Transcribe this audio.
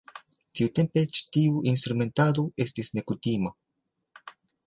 Tiutempe ĉi tiu instrumentado estis nekutima.